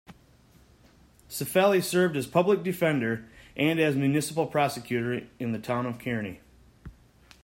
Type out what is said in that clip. Cifelli served as public defender and as municipal prosecutor in the Town of Kearny.